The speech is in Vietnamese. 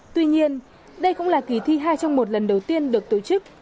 tuy nhiên đây cũng là kỳ thi hai trong một lần đầu tiên được tổ chức